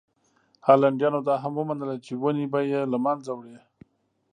هالنډیانو دا هم ومنله چې ونې به یې له منځه وړي.